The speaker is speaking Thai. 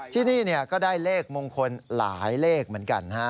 ที่นี่ก็ได้เลขมงคลหลายเลขเหมือนกัน